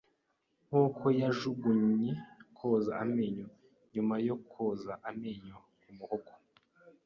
nkuko yajugunye koza amenyo nyuma yo koza amenyo kumuhogo